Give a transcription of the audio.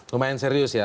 lumayan serius ya